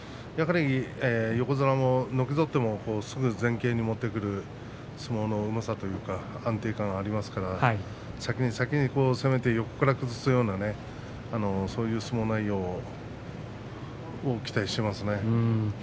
横綱ものけぞっても、すぐ前傾に持ってくる相撲のうまさというか安定感がありますから先に先に攻めて横から崩すようなそういう相撲内容を期待していますね。